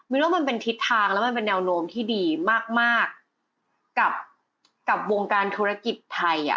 ว่ามันเป็นทิศทางแล้วมันเป็นแนวโน้มที่ดีมากกับวงการธุรกิจไทยอ่ะ